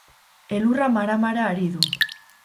Elurra mara-mara ari du.